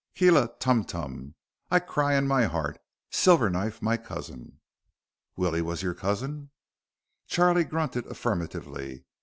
"Kely tum tum. I cry in my heart. Silverknife my cousin." "Willie was your cousin?" Charlie grunted affirmatively.